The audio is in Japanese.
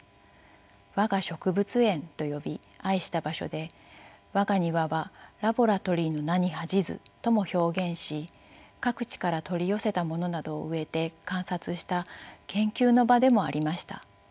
「我が植物園」と呼び愛した場所で「我が庭はラボラトリーの名に恥じず」とも表現し各地から取り寄せたものなどを植えて観察した研究の場でもありました。